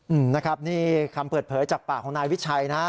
อืมนะครับนี่คำเปิดเผยจากปากของนายวิชัยนะฮะ